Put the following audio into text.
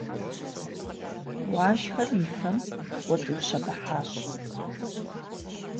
Уашхэр и фэм кӏуэцӏиущэбыхьащ.